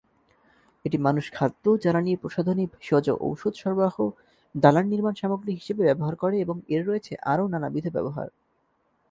এটি মানুষ খাদ্য, জ্বালানী, প্রসাধনী, ভেষজ ঔষধ সরবরাহ, দালান নির্মান সামগ্রী হিসেবে ব্যবহার করে এবং এর রয়েছে আরও নানাবিধ ব্যবহার।